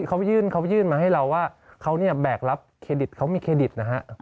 เขายื่นเขายื่นมาให้เราว่าเขาเนี่ยแบกรับเครดิตเขามีเครดิตนะฮะ